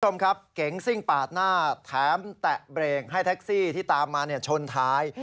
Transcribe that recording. คุณผู้ชมครับเก๋งซิ่งปาดหน้าแถมแตะเบรกให้แท็กซี่ที่ตามมาชนท้าย